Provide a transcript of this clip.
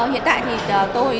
hiện tại thì tôi